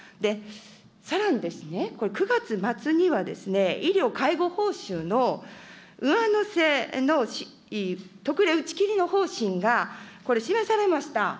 さらにですね、これ、９月末には医療介護報酬の上乗せの、特例打ち切りの方針が、これ、示されました。